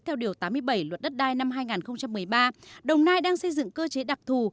theo điều tám mươi bảy luật đất đai năm hai nghìn một mươi ba đồng nai đang xây dựng cơ chế đặc thù